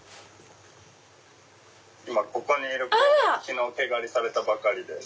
今ここにいる子昨日毛刈りされたばかりです。